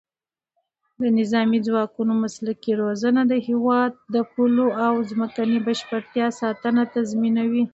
د نظامي ځواکونو مسلکي روزنه د هېواد د پولو او ځمکنۍ بشپړتیا ساتنه تضمینوي.